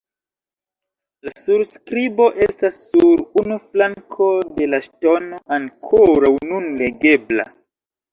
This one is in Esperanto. La surskribo estas sur unu flanko de la ŝtono ankoraŭ nun legebla.